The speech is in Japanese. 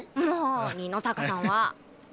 もう二ノ坂さんは！